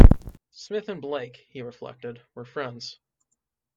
Smith and Blake, he reflected, were friends.